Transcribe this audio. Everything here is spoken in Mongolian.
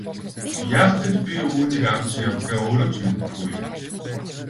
Яах гэж би үүнийг авч явдгаа өөрөө ч мэддэггүй юм.